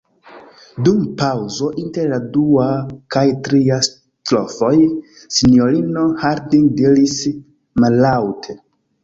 Dum paŭzo inter la dua kaj tria strofoj, sinjorino Harding diris mallaŭte: